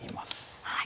はい。